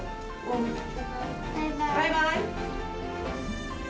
バイバイ。